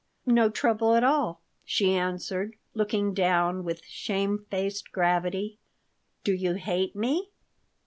"No trouble at all," she answered, looking down, with shamefaced gravity "Do you hate me?"